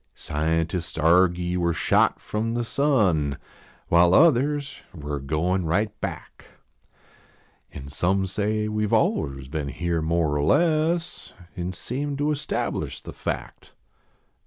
Scientists argy we re shot from the sun. While others we re goin right back. An some say we ve aliens been here more or less, An seem to establish the fact.